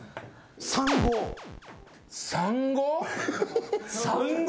３５？３５！？